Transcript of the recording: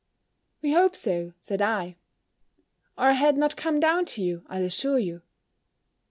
"We hope so," said I: "or I had not come down to you, I'll assure you."